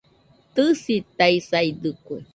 Tɨisitaisaidɨkue